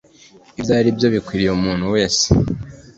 ibyo aribyo bikwiriye umuntu wese